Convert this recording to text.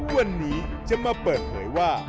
วันนี้จะมาเปิดเผยว่า